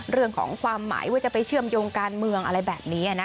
เรื่องของความหมายว่าจะไปเชื่อมโยงการเมืองอะไรแบบนี้